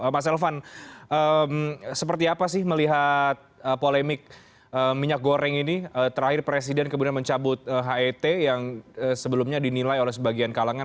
mas elvan seperti apa sih melihat polemik minyak goreng ini terakhir presiden kemudian mencabut het yang sebelumnya dinilai oleh sebagian kalangan